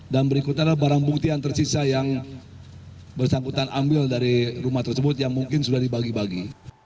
dan berikutnya adalah barang bukti yang tersisa yang bersangkutan ambil dari rumah tersebut yang mungkin sudah dibagi bagi